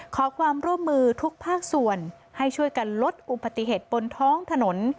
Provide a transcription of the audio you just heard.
ขอความร่วมมือทุกภาคส่วนให้ช่วยกันลดอุบัติเหตุบนท้องถนน